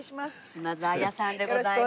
島津亜矢さんでございます。